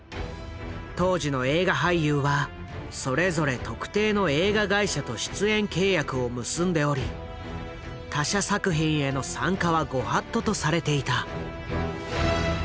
当時の映画俳優はそれぞれ特定の映画会社と出演契約を結んでおり他社作品への参加はご法度とされていた。